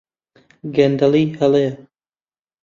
گەندەڵی هەڵەیە.